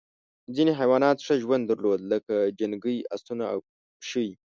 ځینې حیوانات ښه ژوند درلود لکه جنګي اسونه او پشۍ.